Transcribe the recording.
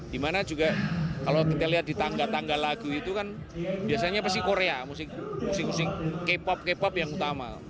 dimana juga kalau kita lihat di tangga tanggal lagu itu kan biasanya pasti korea musik musik k pop k pop yang utama